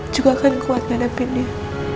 juga akan kuat ngadepinnya